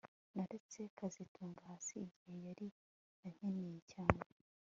Naretse kazitunga hasi igihe yari ankeneye cyane